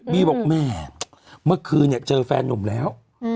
บอกแม่เมื่อคืนเนี่ยเจอแฟนนุ่มแล้ว